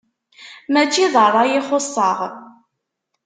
Mačči d ṛṛay i xuṣṣeɣ.